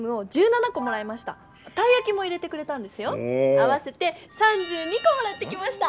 合わせて３２こもらってきました！